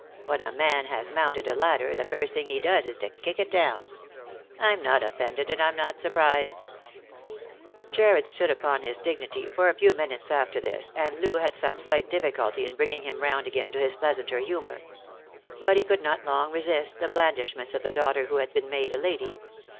When a man. has mounted a ladder, the first thing he does is to kick it down. I'm not offended, and I'm not surprised." Jarred stood upon his dignity for a few minutes after this, and Loo had some slight difficulty in bringing him round again to his pleasanter humour. But he could not long resist the blandishments of the daughter who had been made a lady.